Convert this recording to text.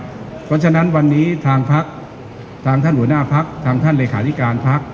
เพราะฉะนั้นวันนี้ทางพักทางท่านหัวหน้าพักทางท่านเลขาธิการพัก